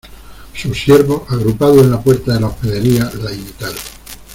sus siervos, agrupados en la puerta de la hospedería , la imitaron